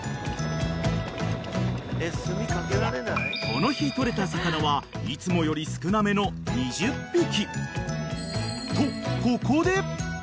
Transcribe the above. ［この日取れた魚はいつもより少なめの２０匹］